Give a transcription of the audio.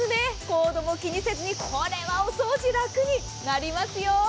コードも気にせずにこれはお掃除楽になります。